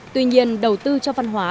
tuy nhiên đầu tư cho văn hóa